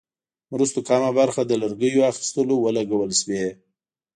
مرستو کمه برخه د لرګیو اخیستلو ولګول شوې.